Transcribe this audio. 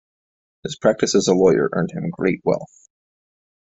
His practice as a lawyer earned him great wealth.